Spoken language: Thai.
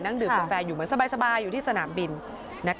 ดื่มกาแฟอยู่เหมือนสบายอยู่ที่สนามบิน